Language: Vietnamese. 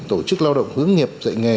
tổ chức lao động hướng nghiệp dạy nghề